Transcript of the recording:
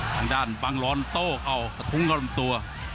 ทางด้านบังร้อนโต้เข้ากระทุ้งเข้าลำตัว